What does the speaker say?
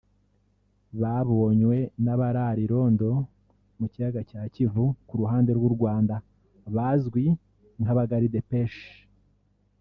babonywe n’abarara irondo mu kiyaga cya Kivu ku ruhande rw’u Rwanda bazwi nk’aba ’Garde Pêche’